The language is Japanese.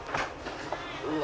うわ。